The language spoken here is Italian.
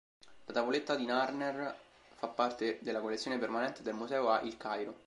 La tavoletta di Narmer fa parte della collezione permanente del museo a Il Cairo.